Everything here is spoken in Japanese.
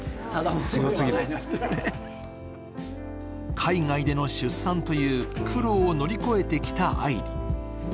海外での出産という苦労を乗り越えてきた愛梨。